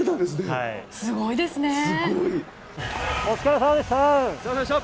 すごいですね。